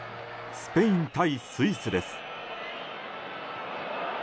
スペイン対スイスです。